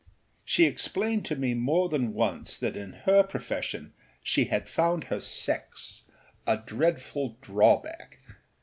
She explained to me more than once that in her profession she had found her sex a dreadful drawback.